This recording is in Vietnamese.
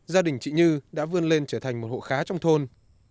gia đình chị như đã vươn lên trở thành một hộ khá trong thôn